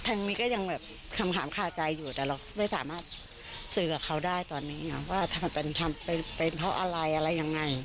ทางนี้ก็ยังแบบคำถามคาใจอยู่แต่เราไม่สามารถสื่อกับเขาได้ตอนนี้ว่ามันเป็นเพราะอะไรอะไรยังไง